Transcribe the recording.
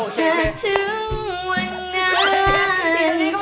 จะถึงวันไหน